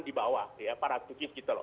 di bawah ya para tukis gitu loh